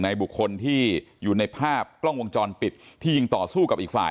บุคคลที่อยู่ในภาพกล้องวงจรปิดที่ยิงต่อสู้กับอีกฝ่าย